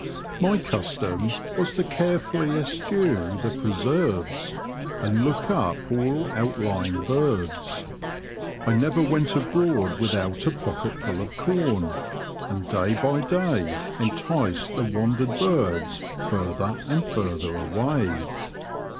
My custom was to carefully eschew the preserves, and look up all outlying birds. I never went abroad without a pocketful of corn, and day by day enticed the wandered birds further and further away.